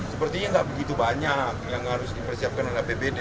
sepertinya nggak begitu banyak yang harus dipersiapkan oleh apbd